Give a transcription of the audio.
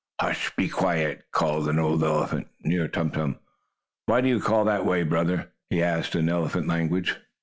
"Hush! Be quiet!" called an old elephant near Tum Tum. "Why do you call that way, brother?" he asked in elephant language.